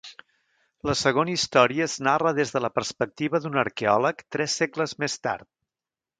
La segona història es narra des de la perspectiva d'un arqueòleg tres segles més tard.